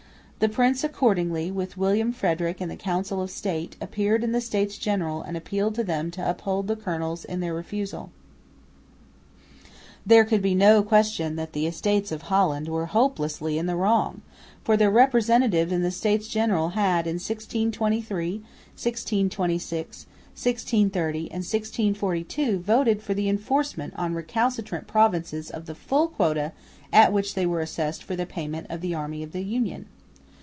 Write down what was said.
The prince accordingly, with William Frederick and the Council of State, appeared in the States General and appealed to them to uphold the colonels in their refusal. There could be no question that the Estates of Holland were hopelessly in the wrong, for their representatives in the States General had in 1623,1626,1630 and 1642 voted for the enforcement on recalcitrant provinces of the full quota at which they were assessed for the payment of the army of the Union.